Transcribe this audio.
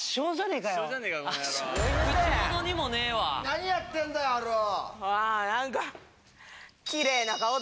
何やってんだよ春夫！